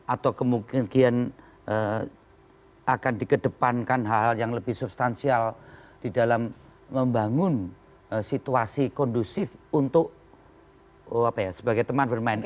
atau kemungkinan akan dikedepankan hal hal yang lebih substansial di dalam membangun situasi kondusif untuk sebagai teman bermain